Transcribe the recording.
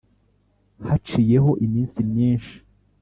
haciyeho iminsi myinshi,